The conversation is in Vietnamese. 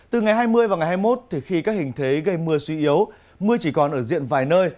từ ngày hai mươi và ngày hai mươi một thì khi các hình thế gây mưa suy yếu mưa chỉ còn ở diện vài nơi